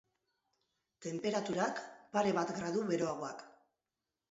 Tenperaturak, pare bat gradu beroagoak.